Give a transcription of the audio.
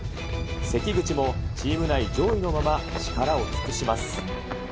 関口もチーム内上位のまま力を尽くします。